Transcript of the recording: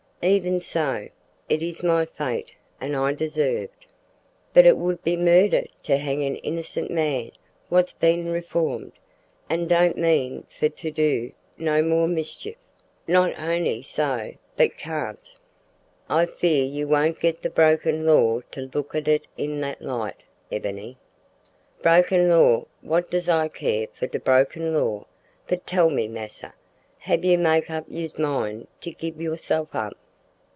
"Even so. It is my fate and deserved." "But it would be murder to hang a innercent man what's bin reformed, an' don't mean for to do no more mischief not on'y so, but can't!" "I fear you won't get the broken law to look at it in that light, Ebony." "Broken law! what does I care for de broken law? But tell me, massa, hab you make up you's mind to gib youself up?"